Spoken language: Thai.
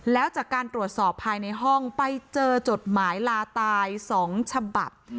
แล้วจากการตรวจสอบภายในห้องไปเจอจดหมายลาตาย๒ฉบับ